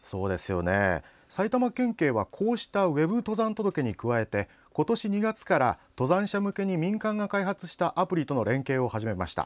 埼玉県警はこうしたＷＥＢ登山届に加え今年２月から登山者向けに民間が開発したアプリとの連携を始めました。